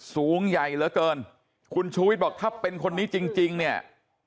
สูงใหญ่เหลือเกินคุณชูวิทย์บอกถ้าเป็นคนนี้จริงจริงเนี่ย